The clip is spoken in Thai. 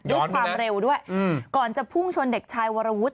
ด้วยความเร็วด้วยก่อนจะพุ่งชนเด็กชายวรวุฒิ